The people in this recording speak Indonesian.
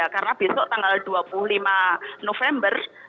karena besok tanggal dua puluh lima november